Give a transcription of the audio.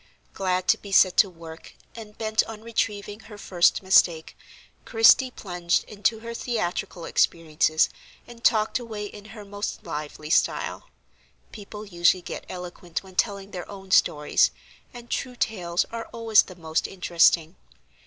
Glad to be set to work, and bent on retrieving her first mistake, Christie plunged into her theatrical experiences and talked away in her most lively style. People usually get eloquent when telling their own stories, and true tales are always the most interesting.